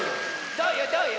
どうよどうよ！